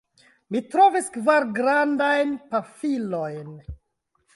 Mi trovis kvar grandajn pafilojn.